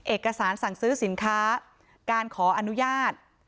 เอกสารสั่งซื้อสินค้าการขออนุญาต